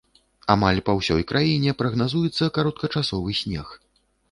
Амаль па ўсёй краіне прагназуецца кароткачасовы снег.